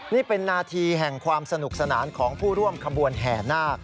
นี่เป็นนาทีแห่งความสนุกสนานของผู้ร่วมขบวนแห่นาค